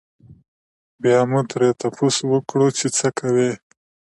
بيا مو ترې تپوس وکړو چې څۀ کوئ؟